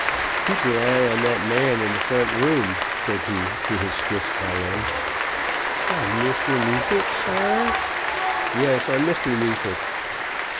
"Keep your eye on that man in the front room," said he, to his Swiss valet. "On Mr. Neefit, saar?" "Yes; on Mr. Neefit.